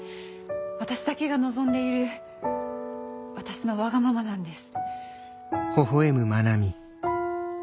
私だけが望んでいる私のわがままなんです。